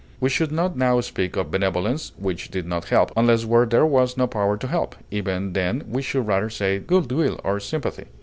We should not now speak of benevolence which did not help, unless where there was no power to help; even then we should rather say good will or sympathy.